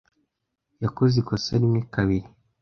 Yakoze ikosa rimwe kabiri.